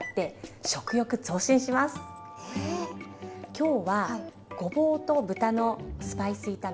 今日はごぼうと豚のスパイス炒めと。